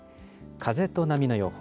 風と波の予報。